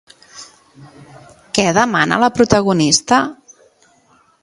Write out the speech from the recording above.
Què demana la protagonista?